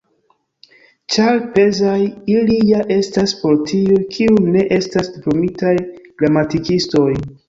Ĉar pezaj ili ja estas por tiuj, kiuj ne estas diplomitaj gramatikistoj.